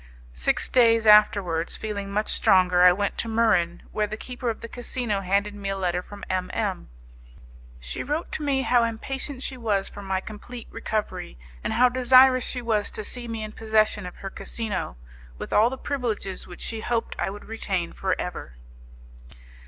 Six days afterwards, feeling much stronger, I went to Muran, where the keeper of the casino handed me a letter from M M . She wrote to me how impatient she was for my complete recovery, and how desirous she was to see me in possession of her casino, with all the privileges which she hoped I would retain for ever.